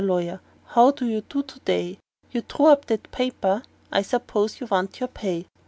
LAWYER: HOW DO YOU DO TO DAY?" You drew up that paper I s'pose you want your pay.